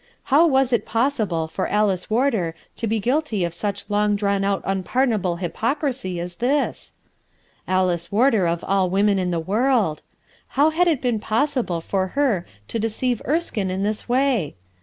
How was it possible for Alice Warder to be guilty of such long drawn out un pardonable hypocrisy as this? Alice Warder of all women in the world ! How had it been possible for her to deceive Erskine in this way